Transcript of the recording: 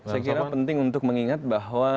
saya kira penting untuk mengingat bahwa